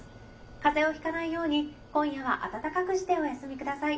風邪をひかないように今夜は温かくしてお休みください。